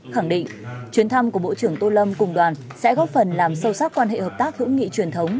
khẳng định chuyến thăm của bộ trưởng tô lâm cùng đoàn sẽ góp phần làm sâu sắc quan hệ hợp tác hữu nghị truyền thống